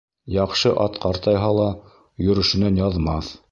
Яҡшы ат ҡартайһа ла, йөрөшөнән яҙмаҫ.